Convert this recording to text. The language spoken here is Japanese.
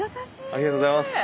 ありがとうございます。